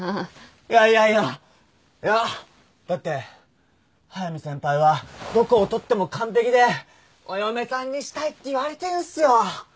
いやいやいやいやだって速見先輩はどこを取っても完璧でお嫁さんにしたいって言われてるんすよ？